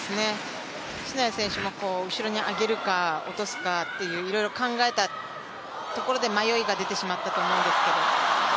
篠谷選手も後ろにあげるか落とすかいろいろ考えたところで迷いが出てしまったと思うんですけど。